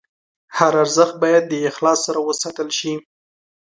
هر ارزښت باید د اخلاص سره وساتل شي.